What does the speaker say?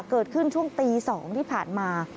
เกิดขึ้นช่วงตี๒ที่ผ่านมา